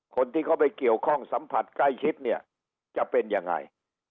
คนที่เขาไปเกี่ยวข้องสัมผัสใกล้ชิดเนี่ยจะเป็นยังไง